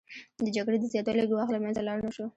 د جګړې د زیاتوالي ګواښ له منځه لاړ نشو